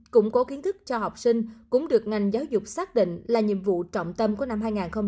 củng cố kiến thức cho học sinh cũng được ngành giáo dục xác định là nhiệm vụ trọng tâm của năm hai nghìn hai mươi